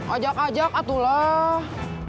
ajak ajak atulah